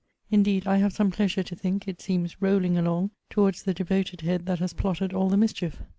Indeed I have some pleasure to think it seems rolling along towards the devoted head that has plotted all the mischief.